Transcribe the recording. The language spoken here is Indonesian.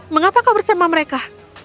mengapa kau bersama mereka